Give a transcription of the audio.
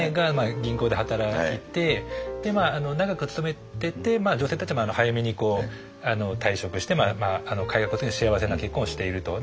銀行で働いて長く勤めてて女性たちも早めに退職してかようなことに幸せな結婚をしていると。